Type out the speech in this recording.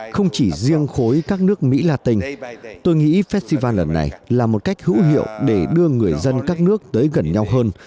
không chỉ riêng khối các nước mỹ la tinh tôi nghĩ festival lần này là một cách hữu hiệu để đưa người dân các nước tới gần nhau hơn